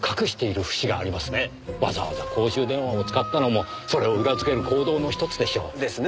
わざわざ公衆電話を使ったのもそれを裏づける行動のひとつでしょう。ですね。